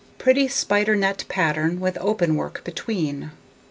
Pretty Spider Net Pattern, with Open Work between.